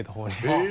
えっ！